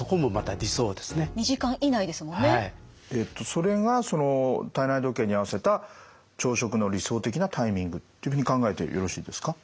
それがその体内時計に合わせた朝食の理想的なタイミングというふうに考えてよろしいですか？